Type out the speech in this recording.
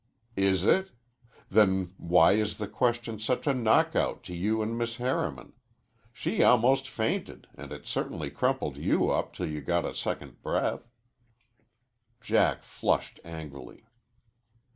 "Is it? Then why is the question such a knockout to you and Miss Harriman? She almost fainted, and it certainly crumpled you up till you got second breath." Jack flushed angrily.